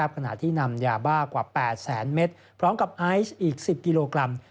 ขณะที่นำยาบ้ากว่า๘แสนเมตรพร้อมกับไอซ์อีก๑๐กิโลกรัม